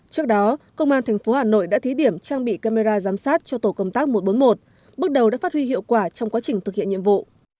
trước đó công an tp hà nội đã thí điểm trang bị camera giám sát cho tổ công tác một trăm bốn mươi một bước đầu đã phát huy hiệu quả trong quá trình thực hiện nhiệm vụ